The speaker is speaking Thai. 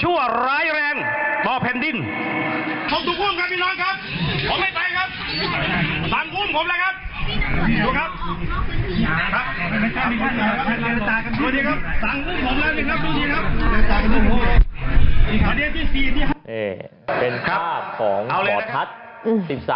เนี่ยเป็นภาพของปอดทัศน์